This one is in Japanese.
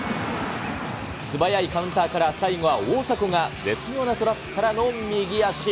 素早いカウンターから最後は大迫が絶妙なトラップからの右足。